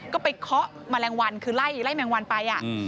ก็ไปเคาะแมลงวันคือไล่แมงวันไป